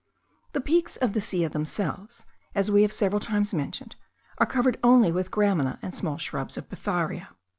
The peaks of the Silla themselves, as we have several times mentioned, are covered only with gramina and small shrubs of befaria.